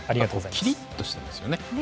きりっとしてますよね。